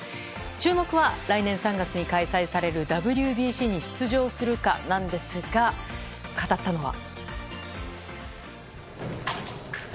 注目は来年３月に開催されるＷＢＣに出場するかなんですが語ったのは。